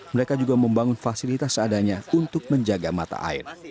mereka juga membangun fasilitas seadanya untuk menjaga mata air